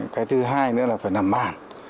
cái thứ hai nữa là phải nằm mạng